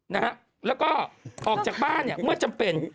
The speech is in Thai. นะฮะแล้วก็ออกจากบ้านเนี่ยเมื่อจำเป็น